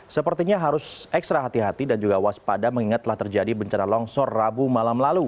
sepertinya harus ekstra hati hati dan juga waspada mengingat telah terjadi bencana longsor rabu malam lalu